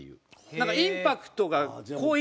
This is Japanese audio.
なんかインパクトが濃い。